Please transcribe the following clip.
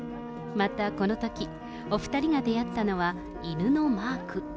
またこのとき、お２人が出会ったのは、犬のマーク。